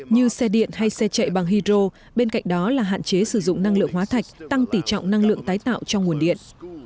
như xe điện hay xe chạy bằng hydro bên cạnh đó là hạn chế sử dụng năng lượng hóa thạch tăng tỉ trọng năng lượng tái tạo trong nguồn điện